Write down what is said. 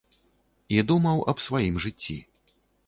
І думаў аб сваім жыцці.